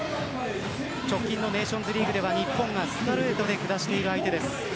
直近のネーションズリーグでは日本がストレートで下している相手です。